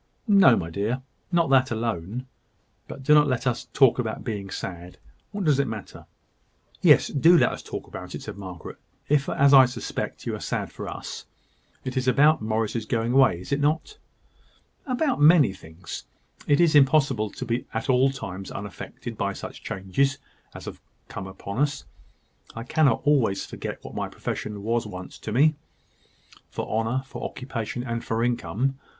"No, my dear not that alone. But do not let us talk about being sad. What does it matter?" "Yes; do let us talk about it," said Margaret, "if, as I suspect, you are sad for us. It is about Morris's going away, is it not?" "About many things. It is impossible to be at all times unaffected by such changes as have come upon us; I cannot always forget what my profession once was to me, for honour, for occupation, and for income.